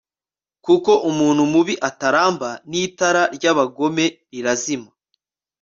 kuko umuntu mubi ataramba n'itara ry'abagome rirazima